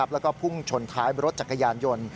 แล้วก็พุ่งชนท้ายรถจักรยานยนต์